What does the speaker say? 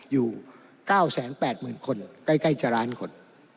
อยู่๙๘๐๐๐คนใกล้จะล้านคน